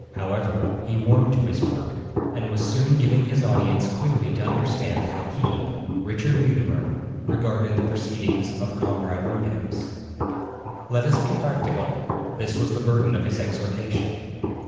However, he warmed to his work, and was soon giving his audience clearly to understand how he, Richard Mutimer, regarded the proceedings of Comrade Roodhouse. Let us be practical this was the burden of his exhortation.